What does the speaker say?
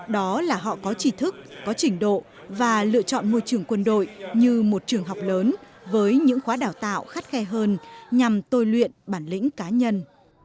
đó là họ có trí thức có trình độ và lựa chọn môi trường quân đội như một trường học lớn với những khóa đào tạo khắt khe hơn nhằm tôi luyện bản lĩnh cá nhân